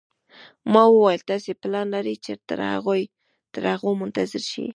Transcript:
ما وویل: تاسي پلان لرئ چې تر هغو منتظر شئ.